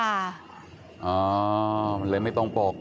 มันเลยไม่ตรงปก